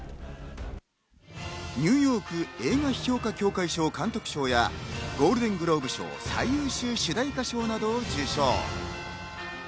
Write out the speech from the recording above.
ニューヨーク映画批評家協会賞・監督賞やゴールデングローブ賞・最優秀主題歌賞などを受賞。